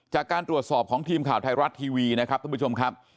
จากการตรวจสอบของทีมข่าวไทยรัฐทีวีนะครับท่านผู้ชมครับ